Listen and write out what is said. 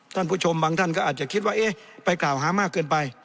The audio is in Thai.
ท่านผู้ชมบางท่านก็อาจจะคิดว่าเอ๊ะไปกล่าวหามากเกินไป